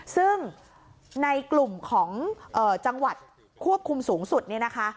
ซึ่งในกลุ่มของจังหวัดควบคุมสูงสุดเนี่ยนะคะ